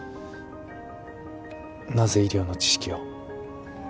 なぜ医療の知識を？